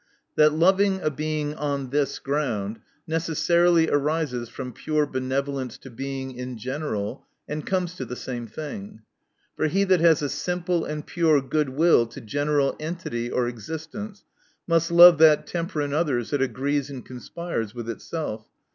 That loving a Being on this ground necessarily arises from pure benev olence to Being in general, and comes to the same thing. For he that has a simple and pure good will to general entity or existence, must love that temper in others, that agrees and conspires with itself.